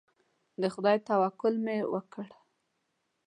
د خدای توکل مې وکړ.